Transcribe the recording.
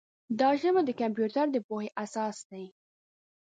دا ژبه د کمپیوټر د پوهې اساس دی.